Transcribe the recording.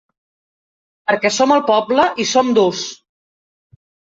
Perquè som el poble i som durs!